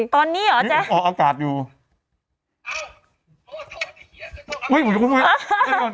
ตอนนี้หรอแจ๊ะอ๋ออากาศอยู่เฮ้ยเฮ้ยเฮ้ยเฮ้ยเฮ้ยเฮ้ย